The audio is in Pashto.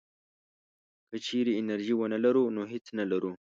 که چېرې انرژي ونه لرو نو هېڅ نه لرو.